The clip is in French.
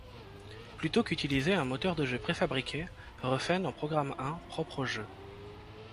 Plutôt qu'utiliser un moteur de jeu pré-fabriqué, Refenes en programme un propre au jeu.